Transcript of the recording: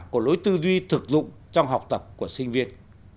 của lối tư duy thực dụng trong học tập của sinh viên